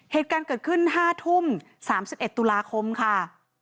เหตุการณ์เกิดขึ้น๕ทุ่ม๓๑ตุลาคมค่ะ